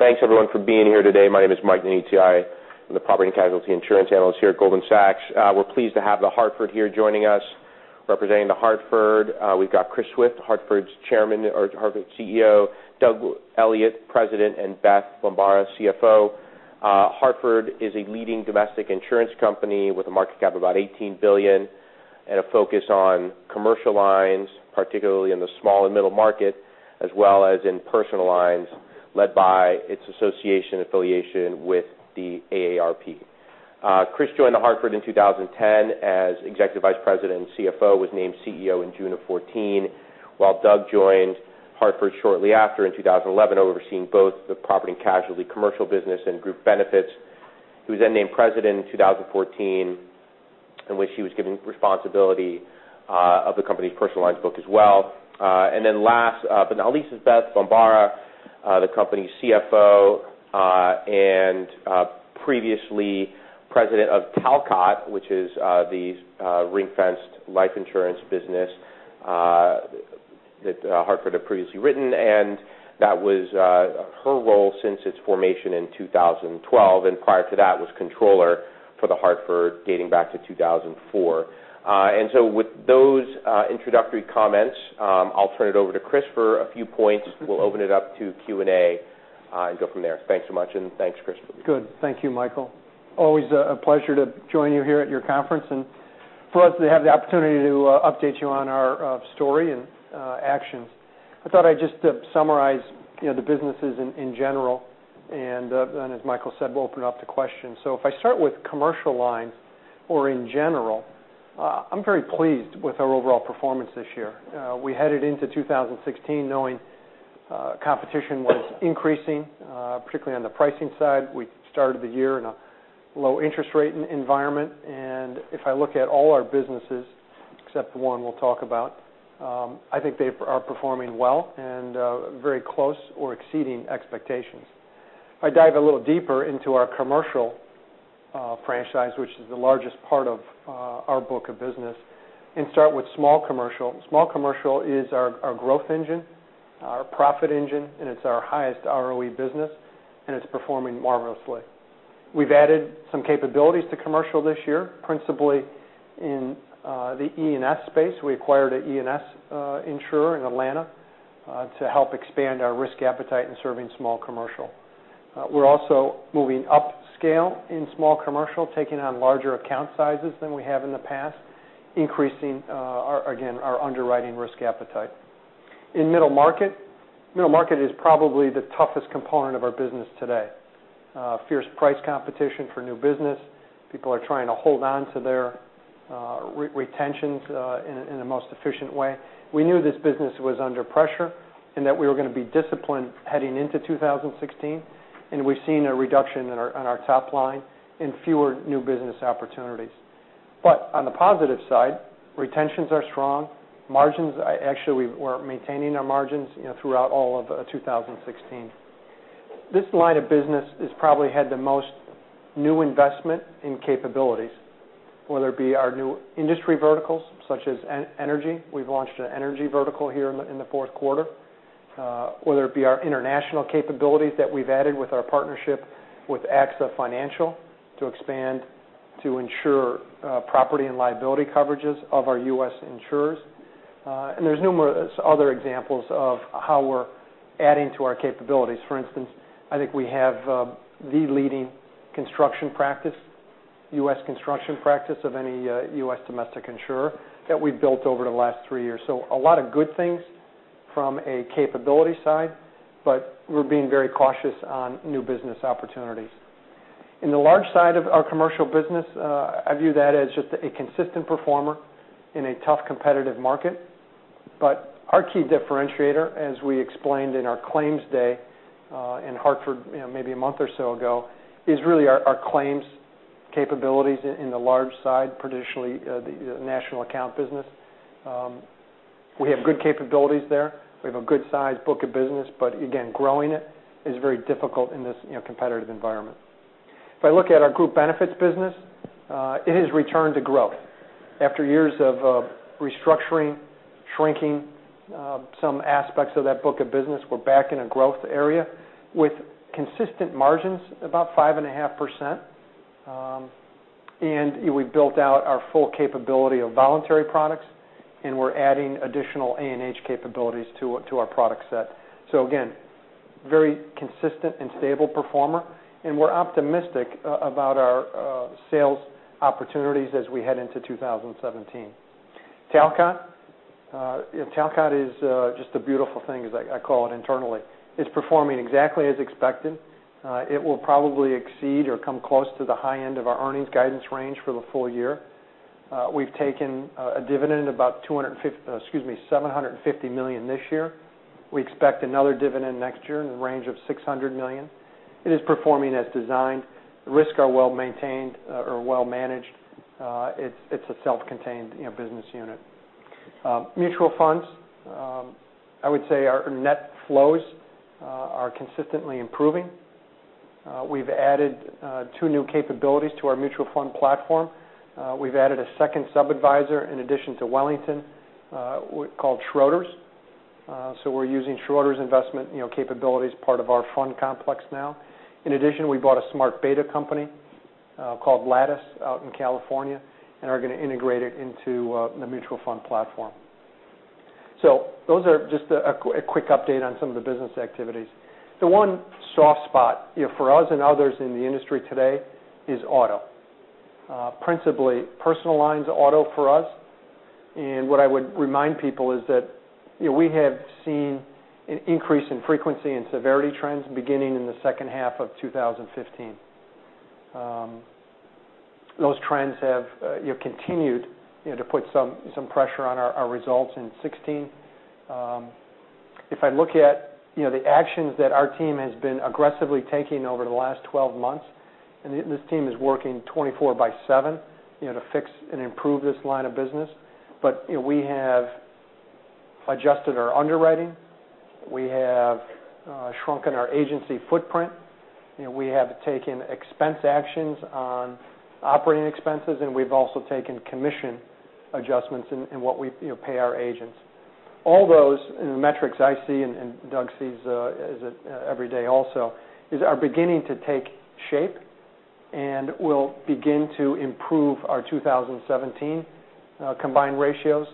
Thanks everyone for being here today. My name is Mike Nitti. I am the Property and Casualty Insurance Analyst here at Goldman Sachs. We're pleased to have The Hartford here joining us. Representing The Hartford, we've got Chris Swift, Hartford's Chairman or Hartford CEO, Doug Elliot, President, and Beth Bombara, CFO. Hartford is a leading domestic insurance company with a market cap of about $18 billion, and a focus on commercial lines, particularly in the small and middle market, as well as in personal lines led by its association affiliation with the AARP. Chris joined The Hartford in 2010 as Executive Vice President and CFO, was named CEO in June of 2014, while Doug joined Hartford shortly after in 2011, overseeing both the property and casualty commercial business and group benefits. He was named President in 2014, in which he was given responsibility of the company's personal lines book as well. Last but not least, is Beth Bombara, the company's CFO, and previously President of Talcott, which is the ring-fenced life insurance business that Hartford had previously written. That was her role since its formation in 2012, and prior to that was controller for The Hartford dating back to 2004. With those introductory comments, I'll turn it over to Chris for a few points. We'll open it up to Q&A, and go from there. Thanks so much, and thanks, Chris. Good. Thank you, Michael. Always a pleasure to join you here at your conference, and for us to have the opportunity to update you on our story and actions. I thought I'd just summarize the businesses in general, as Michael said, we'll open it up to questions. If I start with commercial lines or in general, I'm very pleased with our overall performance this year. We headed into 2016 knowing competition was increasing, particularly on the pricing side. We started the year in a low interest rate environment, and if I look at all our businesses, except the one we'll talk about, I think they are performing well and very close or exceeding expectations. If I dive a little deeper into our commercial franchise, which is the largest part of our book of business, and start with small commercial. Small commercial is our growth engine, our profit engine, and it's our highest ROE business, and it's performing marvelously. We've added some capabilities to commercial this year, principally in the E&S space. We acquired an E&S insurer in Atlanta to help expand our risk appetite in serving small commercial. We're also moving upscale in small commercial, taking on larger account sizes than we have in the past, increasing, again, our underwriting risk appetite. In middle market, middle market is probably the toughest component of our business today. Fierce price competition for new business. People are trying to hold on to their retentions in the most efficient way. We knew this business was under pressure and that we were going to be disciplined heading into 2016, and we've seen a reduction on our top line and fewer new business opportunities. On the positive side, retentions are strong. Actually, we're maintaining our margins throughout all of 2016. This line of business has probably had the most new investment in capabilities, whether it be our new industry verticals, such as energy. We've launched an energy vertical here in the fourth quarter. Whether it be our international capabilities that we've added with our partnership with AXA Financial to expand to insure property and liability coverages of our U.S. insurers. There's numerous other examples of how we're adding to our capabilities. For instance, I think we have the leading construction practice, U.S. construction practice of any U.S. domestic insurer that we've built over the last three years. A lot of good things from a capability side, but we're being very cautious on new business opportunities. In the large side of our commercial business, I view that as just a consistent performer in a tough competitive market. Our key differentiator, as we explained in our claims day in Hartford maybe a month or so ago, is really our claims capabilities in the large side, traditionally the national account business. We have good capabilities there. We have a good size book of business, but again, growing it is very difficult in this competitive environment. If I look at our group benefits business, it has returned to growth. After years of restructuring, shrinking some aspects of that book of business, we're back in a growth area with consistent margins, about 5.5%. We've built out our full capability of voluntary products, and we're adding additional A&H capabilities to our product set. Again, very consistent and stable performer, and we're optimistic about our sales opportunities as we head into 2017. Talcott is just a beautiful thing, as I call it internally. It's performing exactly as expected. It will probably exceed or come close to the high end of our earnings guidance range for the full year. We've taken a dividend about $750 million this year. We expect another dividend next year in the range of $600 million. It is performing as designed. Risks are well maintained or well managed. It's a self-contained business unit. Mutual funds. I would say our net flows are consistently improving. We've added two new capabilities to our mutual fund platform. We've added a second sub-adviser in addition to Wellington, called Schroders. We're using Schroders' investment capabilities part of our fund complex now. In addition, we bought a smart beta company called Lattice out in California, and are going to integrate it into the mutual fund platform. Those are just a quick update on some of the business activities. The one soft spot for us and others in the industry today is auto. Principally personal lines auto for us, and what I would remind people is that we have seen an increase in frequency and severity trends beginning in the second half of 2015. Those trends have continued to put some pressure on our results in 2016. If I look at the actions that our team has been aggressively taking over the last 12 months, this team is working 24 by seven to fix and improve this line of business. We have adjusted our underwriting, we have shrunken our agency footprint, we have taken expense actions on operating expenses, and we've also taken commission adjustments in what we pay our agents. All those metrics I see, and Doug sees every day also, are beginning to take shape, and will begin to improve our 2017 combined ratios.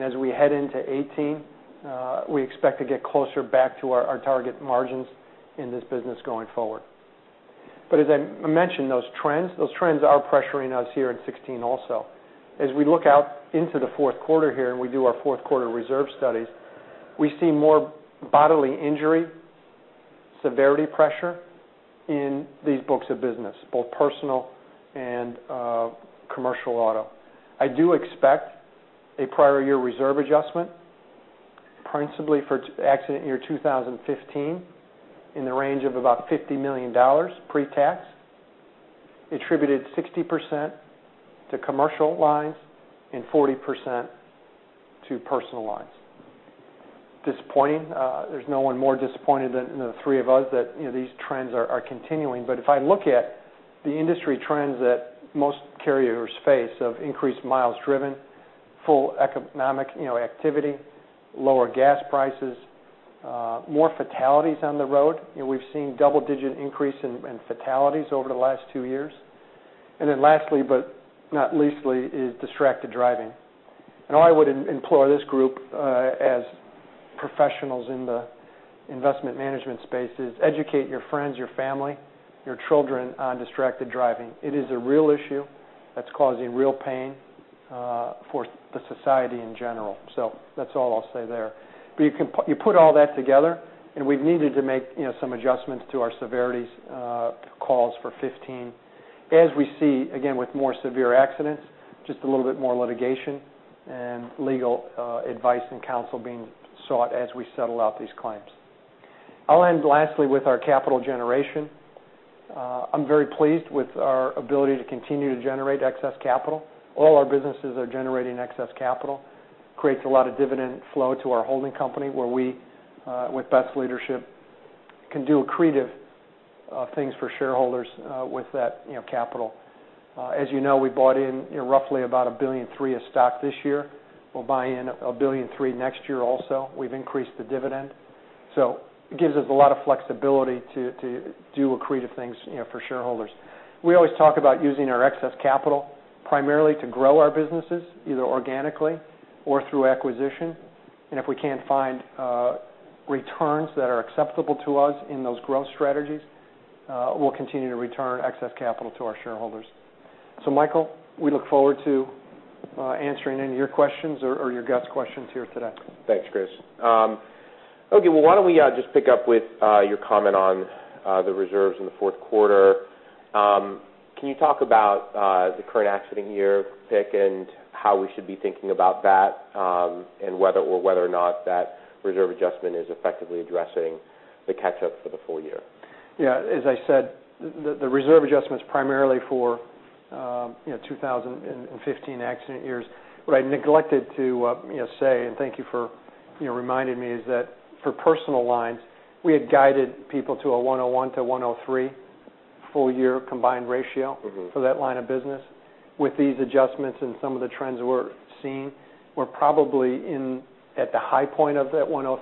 As we head into 2018, we expect to get closer back to our target margins in this business going forward. As I mentioned, those trends are pressuring us here in 2016 also. As we look out into the fourth quarter here and we do our fourth quarter reserve studies, we see more bodily injury severity pressure in these books of business, both personal and commercial auto. I do expect a prior year reserve adjustment, principally for accident year 2015, in the range of about $50 million pre-tax, attributed 60% to commercial lines and 40% to personal lines. Disappointing. There's no one more disappointed than the three of us that these trends are continuing. If I look at the industry trends that most carriers face of increased miles driven, full economic activity, lower gas prices, more fatalities on the road, we've seen double-digit increase in fatalities over the last two years. Lastly, but not least, is distracted driving. I would implore this group as professionals in the investment management space is educate your friends, your family, your children on distracted driving. It is a real issue that's causing real pain for the society in general. That's all I'll say there. You put all that together, we've needed to make some adjustments to our severities calls for 2015. As we see, again, with more severe accidents, just a little bit more litigation and legal advice and counsel being sought as we settle out these claims. I'll end lastly with our capital generation. I'm very pleased with our ability to continue to generate excess capital. All our businesses are generating excess capital. Creates a lot of dividend flow to our holding company where we, with Beth's leadership, can do accretive things for shareholders with that capital. As you know, we bought in roughly about $1.3 billion of stock this year. We'll buy in $1.3 billion next year also. We've increased the dividend. It gives us a lot of flexibility to do accretive things for shareholders. We always talk about using our excess capital primarily to grow our businesses, either organically or through acquisition. If we can't find returns that are acceptable to us in those growth strategies, we'll continue to return excess capital to our shareholders. Michael, we look forward to answering any of your questions or your guests' questions here today. Thanks, Chris. Why don't we just pick up with your comment on the reserves in the fourth quarter. Can you talk about the current accident year, P&C, and how we should be thinking about that, and whether or not that reserve adjustment is effectively addressing the catch-up for the full year? Yeah. As I said, the reserve adjustment's primarily for 2015 accident years. What I neglected to say, and thank you for reminding me, is that for personal lines, we had guided people to a 101%-103% full year combined ratio for that line of business. With these adjustments and some of the trends that we're seeing, we're probably in at the high point of that 103%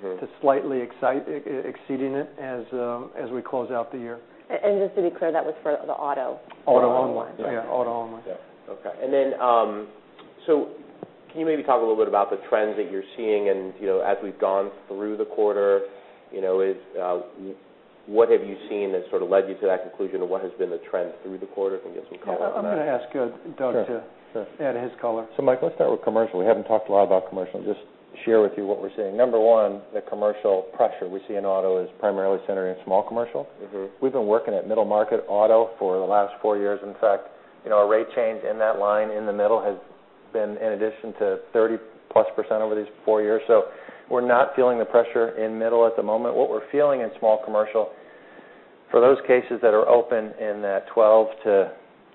to slightly exceeding it as we close out the year. Just to be clear, that was for the auto. Auto online. Yeah, auto online. Yeah. Okay. Can you maybe talk a little bit about the trends that you're seeing and as we've gone through the quarter, what have you seen that sort of led you to that conclusion, or what has been the trend through the quarter? If we can get some color on that. I'm going to ask Doug to add his color. Michael, let's start with commercial. We haven't talked a lot about commercial. Just share with you what we're seeing. Number 1, the commercial pressure we see in auto is primarily centered in small commercial. We've been working at middle market auto for the last 4 years. In fact, our rate change in that line in the middle has been in addition to 30+% over these 4 years. We're not feeling the pressure in middle at the moment. What we're feeling in small commercial, for those cases that are open in that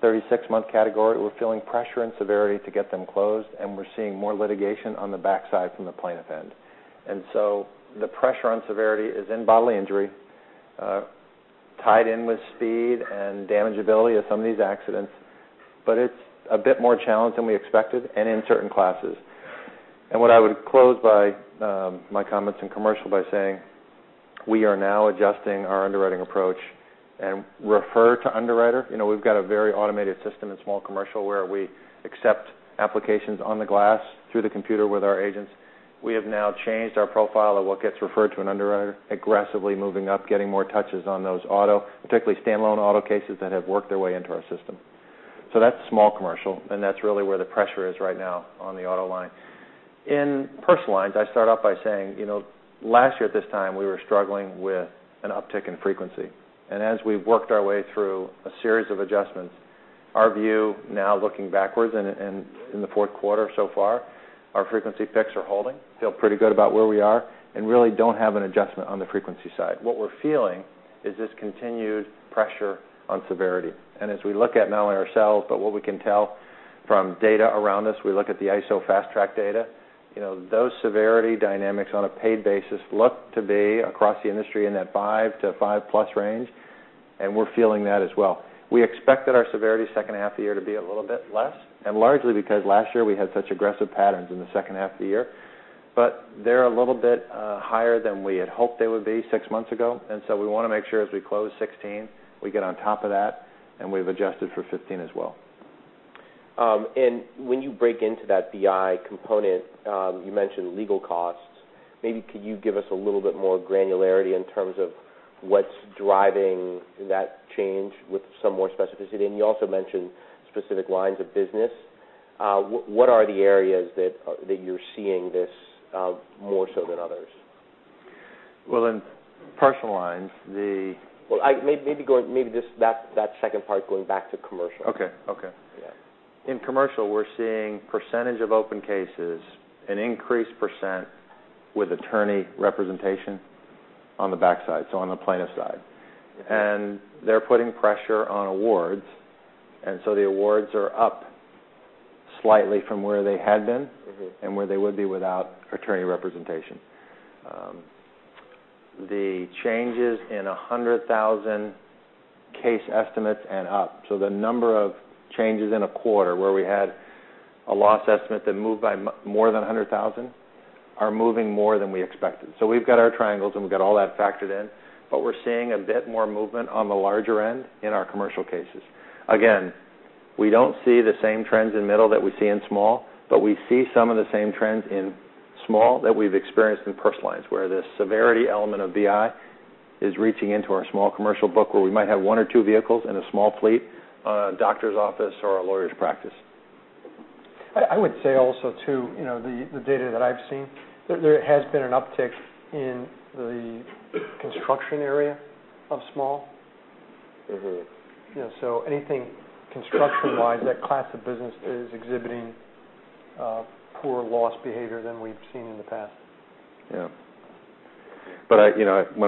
12-36-month category, we're feeling pressure and severity to get them closed, and we're seeing more litigation on the backside from the plaintiff end. The pressure on severity is in bodily injury, tied in with speed and damageability of some of these accidents. It's a bit more challenged than we expected, and in certain classes. What I would close my comments in commercial by saying, we are now adjusting our underwriting approach and refer to underwriter. We've got a very automated system in small commercial where we accept applications on the glass through the computer with our agents. We have now changed our profile of what gets referred to an underwriter, aggressively moving up, getting more touches on those auto, particularly standalone auto cases that have worked their way into our system. That's small commercial, and that's really where the pressure is right now on the auto line. In personal lines, I start off by saying, last year at this time, we were struggling with an uptick in frequency. As we've worked our way through a series of adjustments, our view now looking backwards in the fourth quarter so far, our frequency picks are holding. Feel pretty good about where we are, and really don't have an adjustment on the frequency side. What we're feeling is this continued pressure on severity. As we look at not only ourselves, but what we can tell from data around us, we look at the ISO Fast Track data. Those severity dynamics on a paid basis look to be across the industry in that 5 to 5-plus range, and we're feeling that as well. We expected our severity second half of the year to be a little bit less, and largely because last year we had such aggressive patterns in the second half of the year. They're a little bit higher than we had hoped they would be 6 months ago. We want to make sure as we close 2016, we get on top of that, and we've adjusted for 2015 as well. When you break into that BI component, you mentioned legal costs. Maybe could you give us a little bit more granularity in terms of what's driving that change with some more specificity? You also mentioned specific lines of business. What are the areas that you're seeing this more so than others? Well, in personal lines. Well, maybe just that second part, going back to commercial. Okay. Yeah. In commercial, we're seeing percentage of open cases, an increased percent with attorney representation on the backside, so on the plaintiff side. They're putting pressure on awards, so the awards are up slightly from where they had been- Where they would be without attorney representation. The changes in $100,000 case estimates and up, so the number of changes in a quarter where we had a loss estimate that moved by more than $100,000, are moving more than we expected. We've got our triangles, and we've got all that factored in. We're seeing a bit more movement on the larger end in our commercial cases. We don't see the same trends in middle that we see in small, but we see some of the same trends in small that we've experienced in personal lines, where the severity element of BI is reaching into our small commercial book, where we might have one or two vehicles in a small fleet, a doctor's office, or a lawyer's practice. I would say also, too, the data that I've seen, there has been an uptick in the construction area of small. Anything construction-wise, that class of business is exhibiting poorer loss behavior than we've seen in the past. When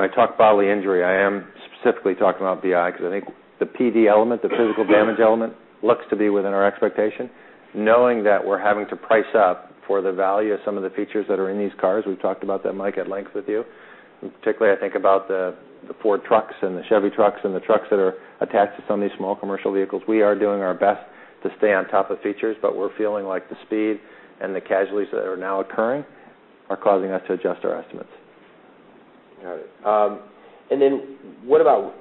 I talk bodily injury, I am specifically talking about BI because I think the PD element, the physical damage element, looks to be within our expectation, knowing that we're having to price up for the value of some of the features that are in these cars. We've talked about that, Mike, at length with you. Particularly, I think about the Ford trucks and the Chevy trucks and the trucks that are attached to some of these small commercial vehicles. We are doing our best to stay on top of features, we're feeling like the speed and the casualties that are now occurring are causing us to adjust our estimates. Got it. What about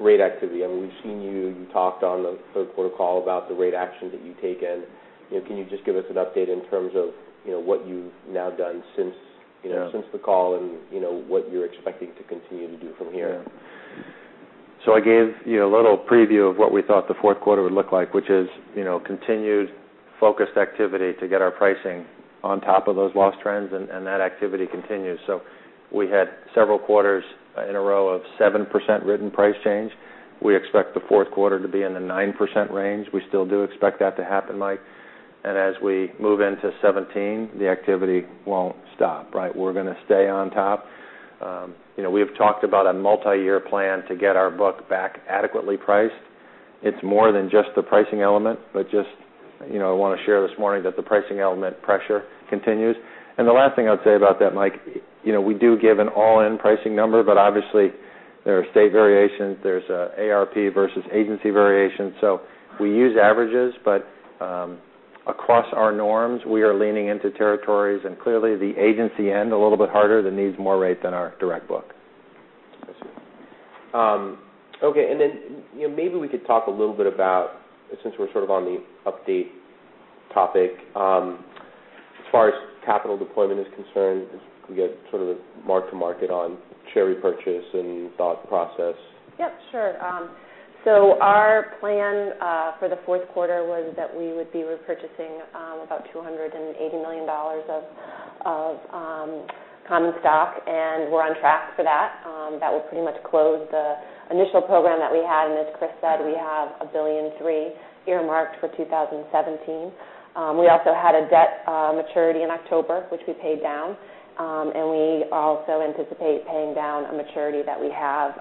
rate activity? We've seen you talked on the third quarter call about the rate action that you've taken. Can you just give us an update in terms of what you've now done since the call and what you're expecting to continue to do from here? I gave you a little preview of what we thought the fourth quarter would look like, which is continued focused activity to get our pricing on top of those loss trends, that activity continues. We had several quarters in a row of 7% written price change. We expect the fourth quarter to be in the 9% range. We still do expect that to happen, Mike. As we move into 2017, the activity won't stop, right? We're going to stay on top. We have talked about a multi-year plan to get our book back adequately priced. It's more than just the pricing element, just want to share this morning that the pricing element pressure continues. The last thing I would say about that, Mike, we do give an all-in pricing number, obviously, there are state variations. There's AARP versus agency variations. We use averages, but across our norms, we are leaning into territories, and clearly the agency end a little bit harder that needs more rate than our direct book. I see. Maybe we could talk a little bit about, since we're sort of on the update topic, as far as capital deployment is concerned, could we get sort of the mark to market on share repurchase and thought process? Yep, sure. Our plan for the fourth quarter was that we would be repurchasing about $280 million of common stock, and we're on track for that. That will pretty much close the initial program that we had. As Chris said, we have $1.3 billion earmarked for 2017. We also had a debt maturity in October, which we paid down. We also anticipate paying down a maturity that we have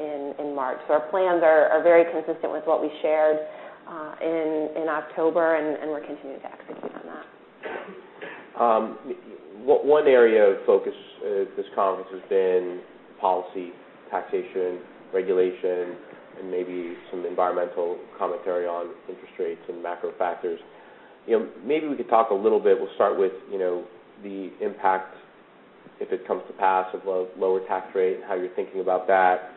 in March. Our plans are very consistent with what we shared in October, and we're continuing to execute. One area of focus at this conference has been policy, taxation, regulation, and maybe some environmental commentary on interest rates and macro factors. Maybe we could talk a little bit. We'll start with the impact, if it comes to pass, of lower tax rate and how you're thinking about that.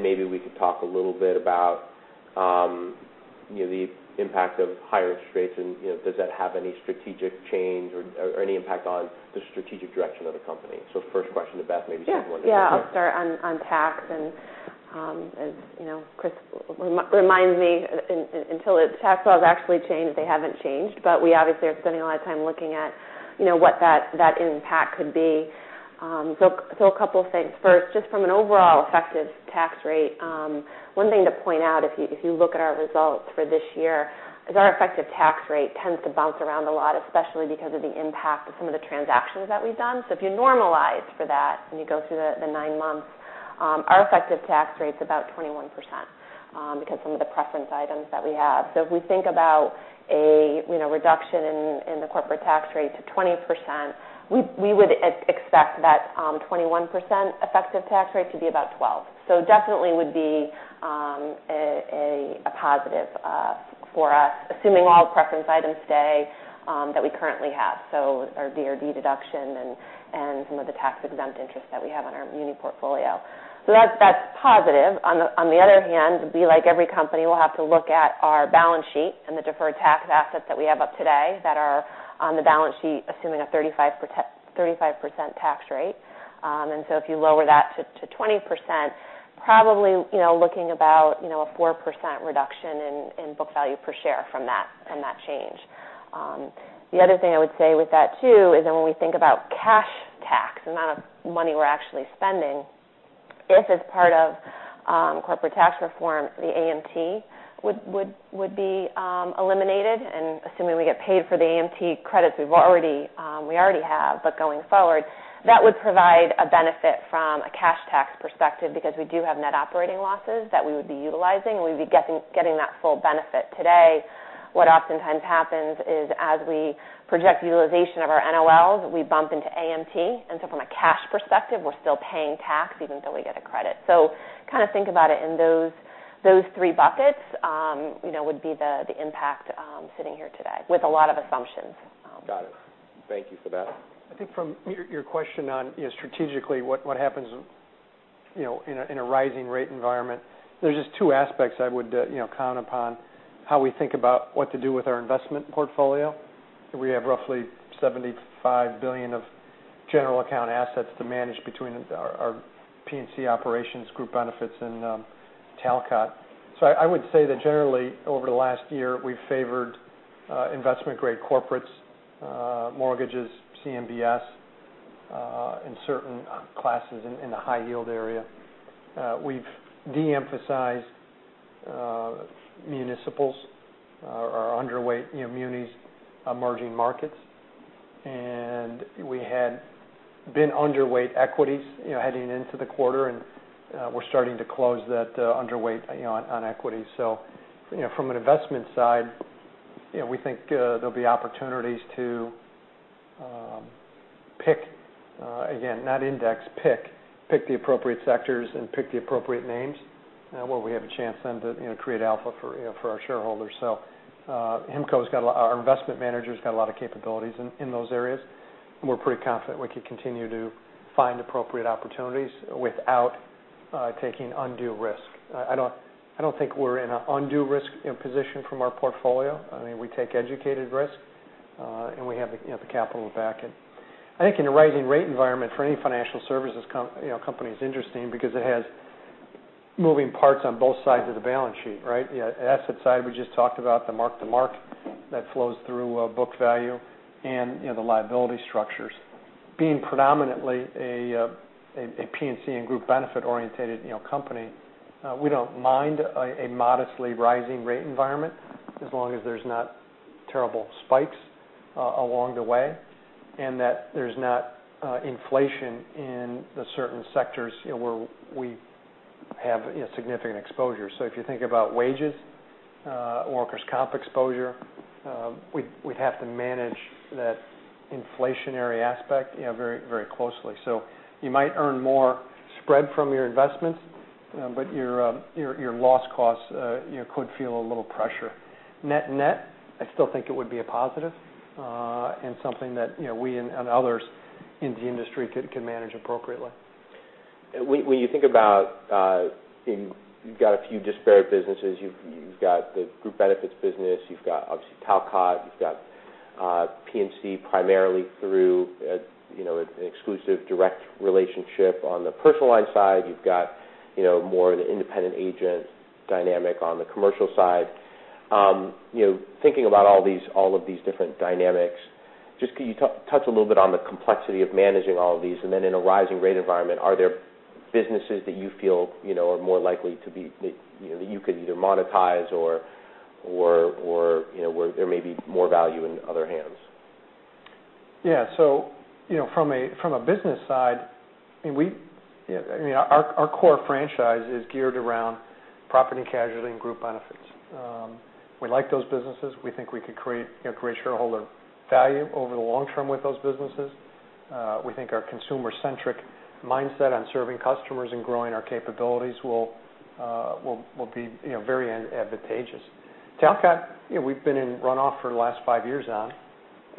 Maybe we could talk a little bit about the impact of higher interest rates and does that have any strategic change or any impact on the strategic direction of the company? First question to Beth, maybe she can. Yeah. As Chris reminds me, until the tax laws actually change, they haven't changed. We obviously are spending a lot of time looking at what that impact could be. A couple of things. First, just from an overall effective tax rate, one thing to point out if you look at our results for this year is our effective tax rate tends to bounce around a lot, especially because of the impact of some of the transactions that we've done. If you normalize for that and you go through the 9 months, our effective tax rate's about 21% because some of the preference items that we have. If we think about a reduction in the corporate tax rate to 20%, we would expect that 21% effective tax rate to be about 12%. Definitely would be a positive for us, assuming all preference items stay that we currently have. Our DRD deduction and some of the tax-exempt interest that we have on our muni portfolio. That's positive. On the other hand, we, like every company, will have to look at our balance sheet and the deferred tax assets that we have up today that are on the balance sheet, assuming a 35% tax rate. If you lower that to 20%, probably looking about a 4% reduction in book value per share from that change. The other thing I would say with that too is that when we think about cash tax, the amount of money we're actually spending, if as part of corporate tax reform, the AMT would be eliminated, and assuming we get paid for the AMT credits we already have. Going forward, that would provide a benefit from a cash tax perspective because we do have net operating losses that we would be utilizing, and we'd be getting that full benefit today. What oftentimes happens is as we project utilization of our NOLs, we bump into AMT, and so from a cash perspective, we're still paying tax even though we get a credit. Kind of think about it in those 3 buckets would be the impact sitting here today with a lot of assumptions. Got it. Thank you for that. I think from your question on strategically what happens in a rising rate environment, there's just two aspects I would count upon how we think about what to do with our investment portfolio. We have roughly $75 billion of general account assets to manage between our P&C operations, Group Benefits, and Talcott. I would say that generally over the last year, we've favored investment-grade corporates, mortgages, CMBS, and certain classes in the high-yield area. We've de-emphasized municipals are underweight munis emerging markets. We had been underweight equities heading into the quarter, and we're starting to close that underweight on equities. From an investment side, we think there'll be opportunities to pick, again, not index, pick the appropriate sectors and pick the appropriate names where we have a chance then to create alpha for our shareholders. Our investment manager's got a lot of capabilities in those areas, and we're pretty confident we can continue to find appropriate opportunities without taking undue risk. I don't think we're in an undue risk position from our portfolio. I mean, we take educated risks, and we have the capital to back it. I think in a rising rate environment for any financial services company is interesting because it has moving parts on both sides of the balance sheet, right? The asset side, we just talked about the mark to mark that flows through book value and the liability structures. Being predominantly a P&C and Group Benefit-orientated company, we don't mind a modestly rising rate environment as long as there's not terrible spikes along the way and that there's not inflation in the certain sectors where we have significant exposure. If you think about wages, workers' comp exposure we'd have to manage that inflationary aspect very closely. You might earn more spread from your investments, but your loss costs could feel a little pressure. Net, I still think it would be a positive and something that we and others in the industry can manage appropriately. When you think about you've got a few disparate businesses. You've got the Group Benefits business. You've got obviously Talcott. You've got P&C primarily through an exclusive direct relationship on the personal line side. You've got more of the independent agent dynamic on the commercial side. Thinking about all of these different dynamics, just could you touch a little bit on the complexity of managing all of these? Then in a rising rate environment, are there businesses that you feel are more likely that you could either monetize or where there may be more value in other hands? From a business side, our core franchise is geared around property, casualty, and group benefits. We like those businesses. We think we could create shareholder value over the long-term with those businesses. We think our consumer-centric mindset on serving customers and growing our capabilities will be very advantageous. Talcott, we've been in runoff for the last 5 years on,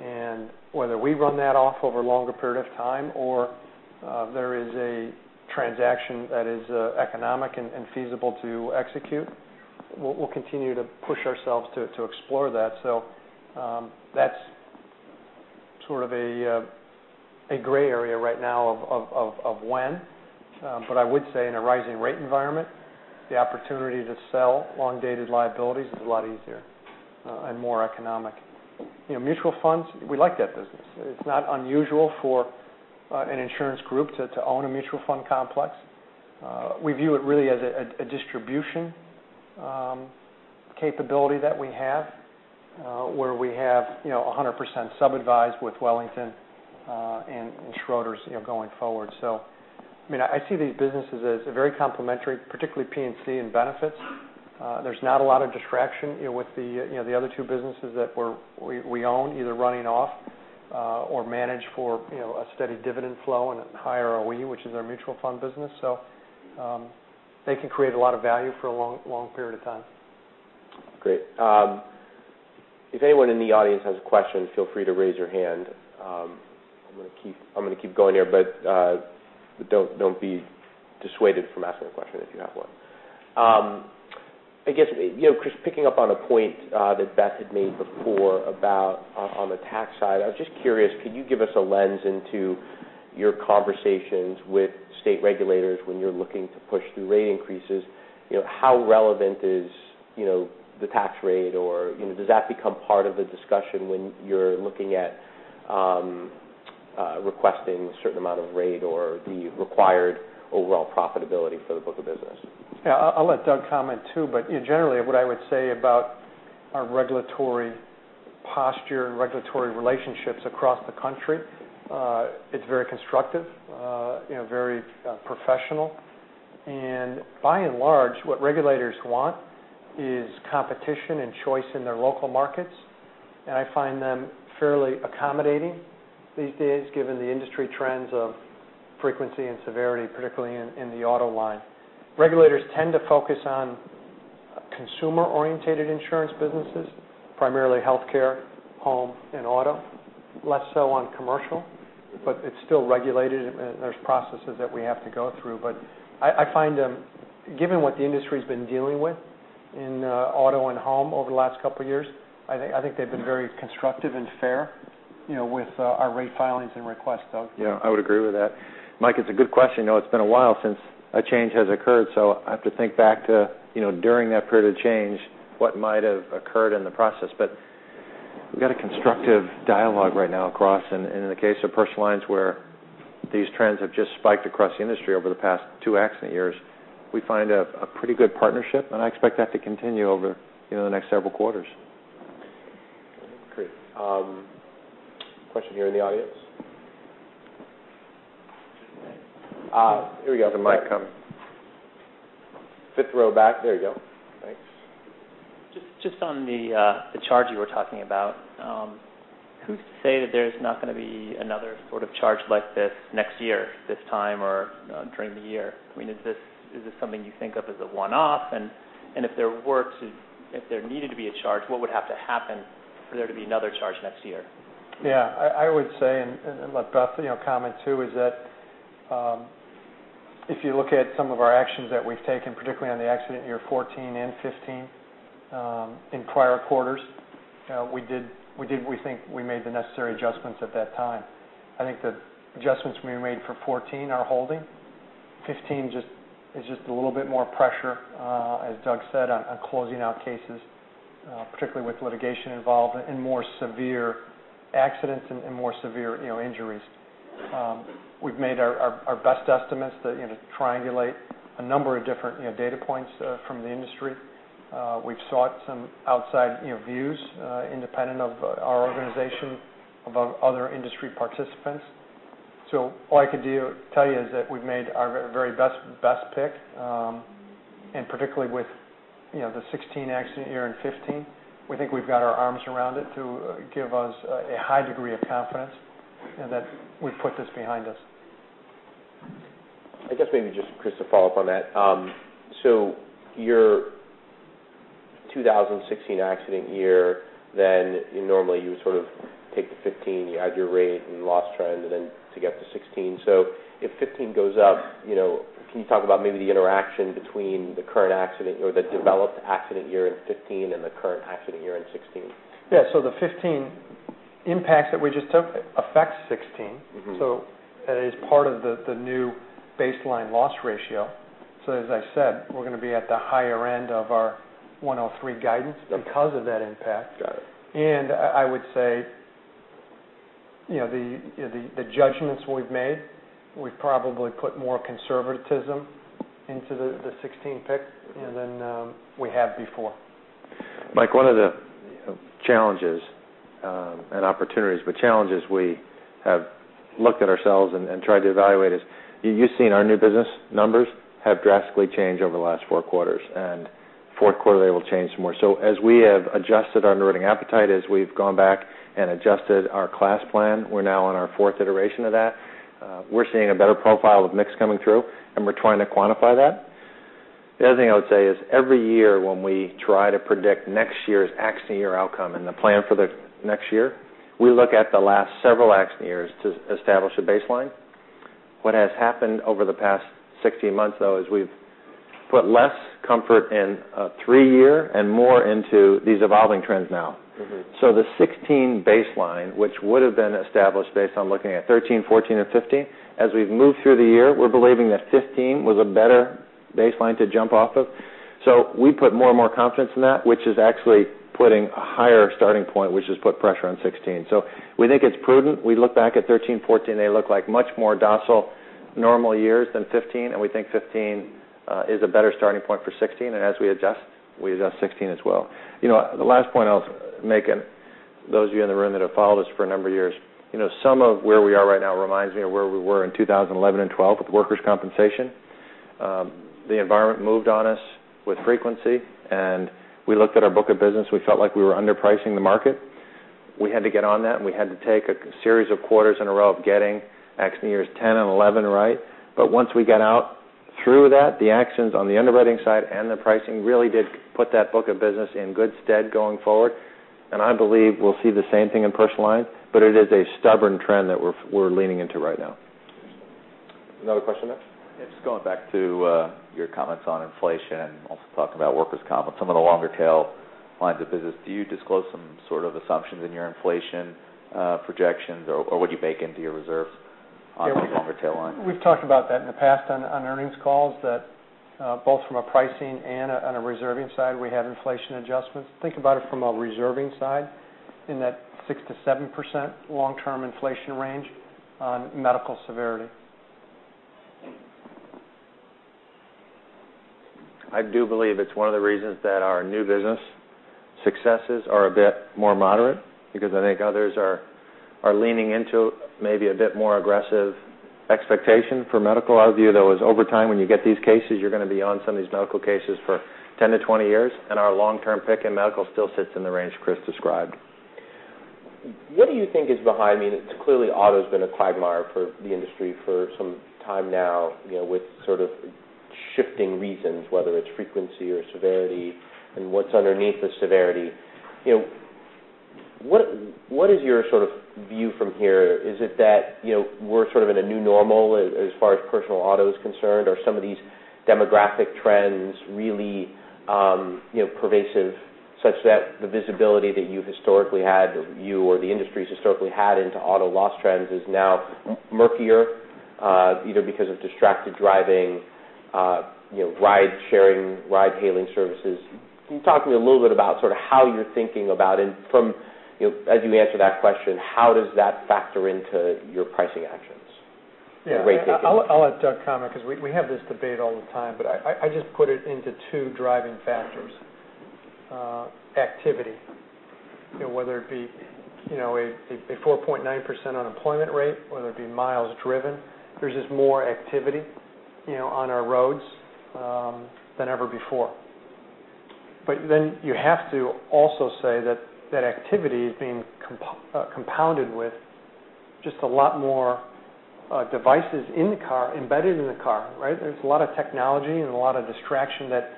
and whether we run that off over a longer period of time or there is a transaction that is economic and feasible to execute, we'll continue to push ourselves to explore that. That's sort of a gray area right now of when. I would say in a rising rate environment, the opportunity to sell long-dated liabilities is a lot easier and more economic. Mutual funds, we like that business. It's not unusual for an insurance group to own a mutual fund complex. We view it really as a distribution capability that we have where we have 100% sub-advised with Wellington and Schroders going forward. I see these businesses as very complementary, particularly P&C and benefits. There's not a lot of distraction with the other two businesses that we own, either running off or manage for a steady dividend flow and a higher ROE, which is our mutual fund business. They can create a lot of value for a long period of time. Great. If anyone in the audience has a question, feel free to raise your hand. I'm going to keep going here, but don't be dissuaded from asking a question if you have one. I guess, Chris, picking up on a point that Beth had made before about on the tax side, I was just curious, can you give us a lens into your conversations with state regulators when you're looking to push through rate increases? How relevant is the tax rate, or does that become part of the discussion when you're looking at requesting a certain amount of rate or the required overall profitability for the book of business? Yeah. I'll let Doug comment, too. Generally, what I would say about our regulatory posture and regulatory relationships across the country, it's very constructive, very professional. By and large, what regulators want is competition and choice in their local markets. I find them fairly accommodating these days, given the industry trends of frequency and severity, particularly in the auto line. Regulators tend to focus on consumer-orientated insurance businesses, primarily healthcare, home, and auto, less so on commercial, but it's still regulated, and there's processes that we have to go through. I find them, given what the industry's been dealing with in auto and home over the last couple of years, I think they've been very constructive and fair with our rate filings and requests. Doug? I would agree with that. Mike, it's a good question. It's been a while since a change has occurred, so I have to think back to during that period of change, what might have occurred in the process. We've got a constructive dialogue right now across, and in the case of personal lines, where these trends have just spiked across the industry over the past two accident years, we find a pretty good partnership, and I expect that to continue over the next several quarters. Great. Question here in the audience. Here we go. The mic coming. Fifth row back. There you go. Thanks. Just on the charge you were talking about, who's to say that there's not going to be another sort of charge like this next year this time or during the year? Is this something you think of as a one-off? If there needed to be a charge, what would have to happen for there to be another charge next year? I would say, and I'll let Beth comment, too, is that if you look at some of our actions that we've taken, particularly on the accident year 2014 and 2015 in prior quarters, we think we made the necessary adjustments at that time. I think the adjustments we made for 2014 are holding. 2015 is just a little bit more pressure, as Doug said, on closing out cases, particularly with litigation involved and more severe accidents and more severe injuries. We've made our best estimates to triangulate a number of different data points from the industry. We've sought some outside views, independent of our organization, about other industry participants. All I could tell you is that we've made our very best pick. Particularly with the 2016 accident year and 2015, we think we've got our arms around it to give us a high degree of confidence and that we've put this behind us. I guess maybe just Chris, to follow up on that. Your 2016 accident year, normally you sort of take the 2015, you add your rate and loss trend, then to get to 2016. If 2015 goes up, can you talk about maybe the interaction between the current accident or the developed accident year in 2015 and the current accident year in 2016? Yeah. The 2015 impact that we just took affects 2016. That is part of the new baseline loss ratio. As I said, we're going to be at the higher end of our 103 guidance because of that impact. Got it. I would say the judgments we've made, we've probably put more conservatism into the 2016 pick than we have before. Mike, one of the challenges and opportunities, but challenges we have looked at ourselves and tried to evaluate is, you've seen our new business numbers have drastically changed over the last 4 quarters, and fourth quarter they will change more. As we have adjusted our underwriting appetite, as we've gone back and adjusted our class plan, we're now on our fourth iteration of that. We're seeing a better profile of mix coming through, and we're trying to quantify that. The other thing I would say is every year when we try to predict next year's accident year outcome and the plan for the next year, we look at the last several accident years to establish a baseline. What has happened over the past 16 months, though, is we've put less comfort in a three-year and more into these evolving trends now. The 2016 baseline, which would've been established based on looking at 2013, 2014, and 2015, as we've moved through the year, we're believing that 2015 was a better baseline to jump off of. We put more and more confidence in that, which is actually putting a higher starting point, which has put pressure on 2016. We think it's prudent. We look back at 2013, 2014, they look like much more docile, normal years than 2015, and we think 2015 is a better starting point for 2016, and as we adjust, we adjust 2016 as well. The last point I'll make, and those of you in the room that have followed us for a number of years, some of where we are right now reminds me of where we were in 2011 and 2012 with workers' compensation. The environment moved on us with frequency. We looked at our book of business, we felt like we were underpricing the market. We had to get on that, and we had to take a series of quarters in a row of getting accident years 10 and 11 right. Once we got out through that, the accidents on the underwriting side and the pricing really did put that book of business in good stead going forward. I believe we'll see the same thing in personal line, it is a stubborn trend that we're leaning into right now. Another question there? Yeah, just going back to your comments on inflation and also talking about workers' comp and some of the longer tail lines of business, do you disclose some sort of assumptions in your inflation projections, or would you bake into your reserve on some longer tail line? We've talked about that in the past on earnings calls that both from a pricing and a reserving side, we have inflation adjustments. Think about it from a reserving side in that 6%-7% long-term inflation range on medical severity. I do believe it's one of the reasons that our new business successes are a bit more moderate because I think others are leaning into maybe a bit more aggressive expectation for medical. Our view, though, is over time when you get these cases, you're going to be on some of these medical cases for 10-20 years, and our long-term pick in medical still sits in the range Chris described. What do you think is behind, it's clearly auto's been a quagmire for the industry for some time now, with sort of shifting reasons, whether it's frequency or severity and what's underneath the severity. What is your view from here? Is it that we're sort of in a new normal as far as personal auto is concerned, or some of these demographic trends really pervasive, such that the visibility that you historically had, or you or the industry's historically had into auto loss trends is now murkier, either because of distracted driving, ride sharing, ride hailing services? Can you talk to me a little bit about how you're thinking about it from, as you answer that question, how does that factor into your pricing actions or rate making? I'll let Doug comment because we have this debate all the time. I just put it into two driving factors. Activity, whether it be a 4.9% unemployment rate, whether it be miles driven, there's just more activity on our roads than ever before. You have to also say that that activity is being compounded with just a lot more devices in the car, embedded in the car, right? There's a lot of technology and a lot of distraction that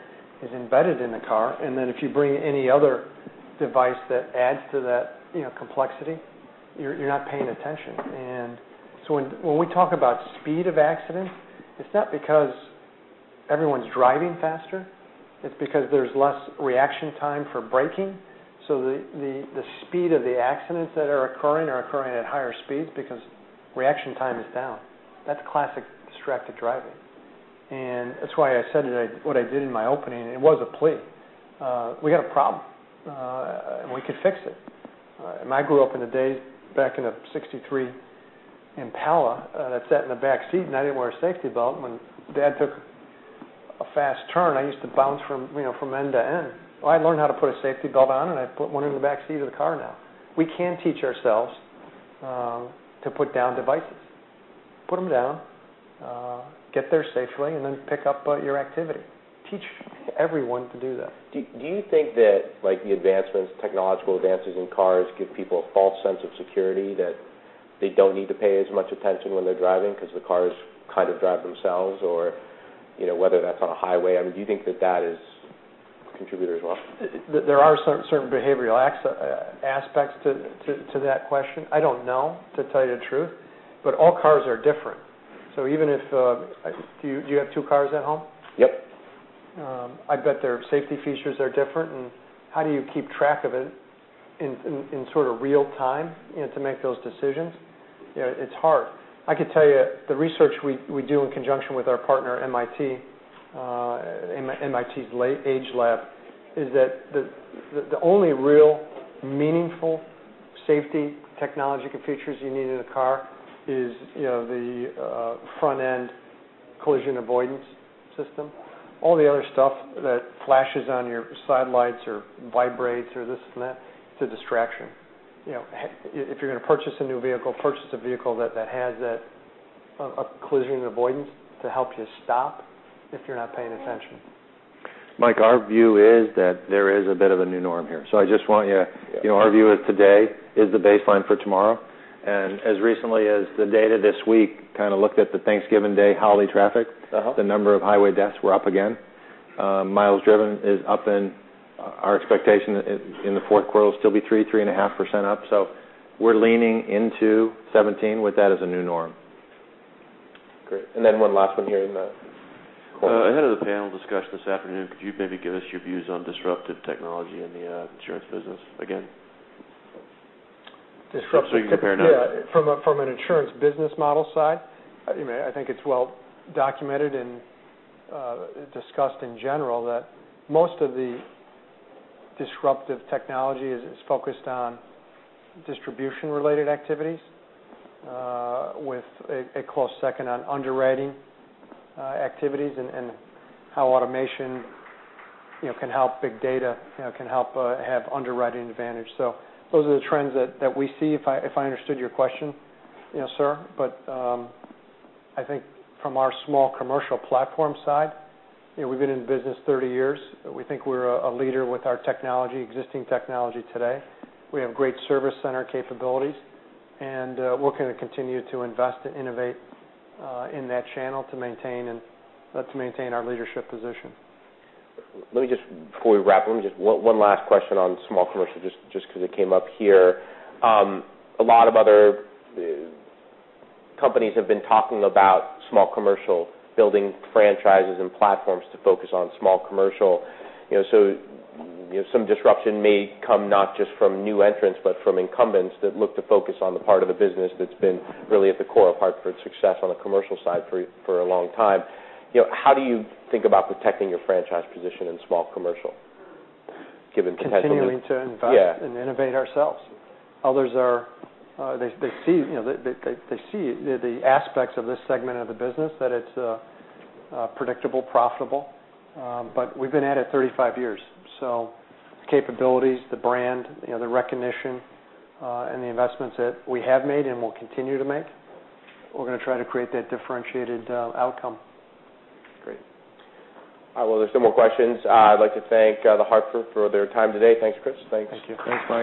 is embedded in the car. If you bring any other device that adds to that complexity, you're not paying attention. When we talk about speed of accidents, it's not because everyone's driving faster, it's because there's less reaction time for braking, so the speed of the accidents that are occurring are occurring at higher speeds because reaction time is down. That's classic distracted driving. That's why I said what I did in my opening, and it was a plea. We got a problem, and we can fix it. I grew up in the days back in a '63 Impala, and I sat in the back seat, and I didn't wear a safety belt. When Dad took a fast turn, I used to bounce from end to end. I learned how to put a safety belt on, and I put one in the back seat of the car now. We can teach ourselves to put down devices. Put them down, get there safely, and then pick up your activity. Teach everyone to do that. Do you think that the advancements, technological advances in cars give people a false sense of security that they don't need to pay as much attention when they're driving because the cars kind of drive themselves? Whether that's on a highway, do you think that that is a contributor as well? There are certain behavioral aspects to that question. I don't know, to tell you the truth. All cars are different. Do you have two cars at home? Yep. I bet their safety features are different. How do you keep track of it in real time to make those decisions? It's hard. I could tell you the research we do in conjunction with our partner MIT AgeLab, is that the only real meaningful safety technological features you need in a car is the front end collision avoidance system. All the other stuff that flashes on your side lights or vibrates or this and that, it's a distraction. If you're going to purchase a new vehicle, purchase a vehicle that has that collision avoidance to help you stop if you're not paying attention. Mike, our view is that there is a bit of a new norm here. Our view is today is the baseline for tomorrow. As recently as the data this week kind of looked at the Thanksgiving Day holiday traffic. The number of highway deaths were up again. Miles driven is up, and our expectation in the fourth quarter will still be 3%, 3.5% up. We're leaning into 2017 with that as a new norm. Great. One last one here in the corner. Ahead of the panel discussion this afternoon, could you maybe give us your views on disruptive technology in the insurance business again? Disruptive tech- Just so we can compare notes. Yeah. From an insurance business model side, I think it's well documented and discussed in general that most of the disruptive technology is focused on distribution-related activities, with a close second on underwriting activities and how automation can help big data, can help have underwriting advantage. Those are the trends that we see, if I understood your question, sir. I think from our small commercial platform side, we've been in business 30 years. We think we're a leader with our existing technology today. We have great service center capabilities. We're going to continue to invest and innovate in that channel to maintain our leadership position. Before we wrap, let me just, one last question on small commercial, just because it came up here. A lot of other companies have been talking about small commercial, building franchises and platforms to focus on small commercial. Some disruption may come not just from new entrants, but from incumbents that look to focus on the part of the business that's been really at the core of Hartford's success on the commercial side for a long time. How do you think about protecting your franchise position in small commercial, given the headwind- Continuing to invest- Yeah Innovate ourselves. Others, they see the aspects of this segment of the business, that it's predictable, profitable. We've been at it 35 years, the capabilities, the brand, the recognition, and the investments that we have made and will continue to make, we're going to try to create that differentiated outcome. Great. There's no more questions. I'd like to thank The Hartford for their time today. Thanks, Chris. Thanks. Thank you. Thanks, Mike.